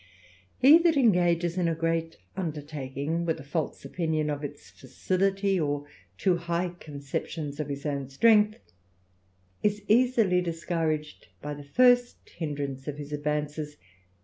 He that engages in a great undertaking, with a false opinion of its facility, or too high conceptions of his own strength, iu easily discouraged by the first hindrance of his advances, 10 146 THE RAMBLER.